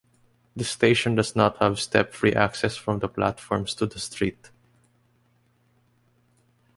The station does not have step free access from the platforms to the street.